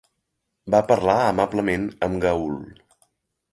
Va parlar amablement amb Gaul.